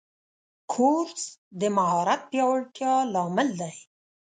کورس د مهارت پیاوړتیا لامل دی.